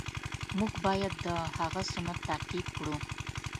مونږ باید د هغه سنت تعقیب کړو.